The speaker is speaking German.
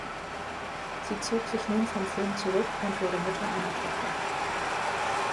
Sie zog sich nun vom Film zurück und wurde Mutter einer Tochter.